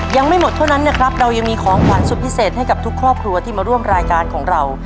ยังไม่หมดเท่านั้นนะครับเรายังมีของขวัญสุดพิเศษให้กับทุกครอบครัวที่มาร่วมรายการของเรา